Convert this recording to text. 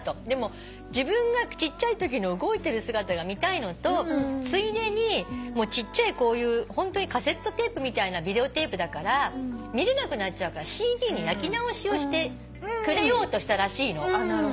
でも自分がちっちゃいときの動いてる姿が見たいのとついでにちっちゃいこういうカセットテープみたいなビデオテープだから見れなくなっちゃうからＣＤに焼き直しをしてくれようとしたらしいの。